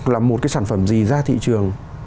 là một cái sản phẩm gì ra thị trường